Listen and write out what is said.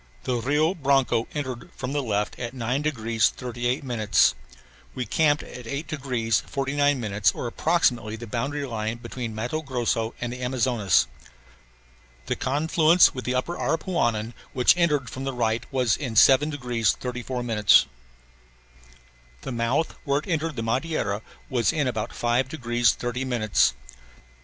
The Rio Branco entered from the left at 9 degrees 38 minutes. We camped at 8 degrees 49 minutes or approximately the boundary line between Matto Grosso and Amazonas. The confluence with the upper Aripuanan, which entered from the right, was in 7 degrees 34 minutes. The mouth where it entered the Madeira was in about 5 degrees 30 minutes.